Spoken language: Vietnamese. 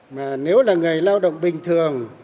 mà nếu là người lao động bình thường